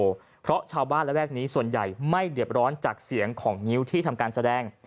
เพราะชาวบ้านระแวกนี้ส่วนใหญ่ไม่เด็บร้อนจากเสียงของงิ้วที่ทำการแสดง